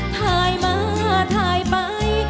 ทายมาทายไป